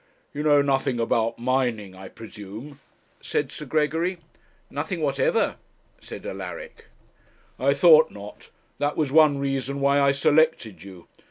'You know nothing about mining, I presume?' said Sir Gregory. 'Nothing whatever,' said Alaric. 'I thought not; that was one reason why I selected you.